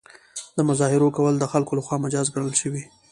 د مظاهرو کول د خلکو له خوا مجاز ګڼل شوي.